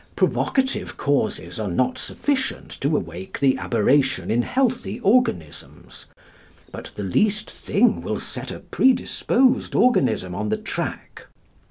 Provocative causes are not sufficient to awake the aberration in healthy organisms, but the least thing will set a predisposed organism on the track.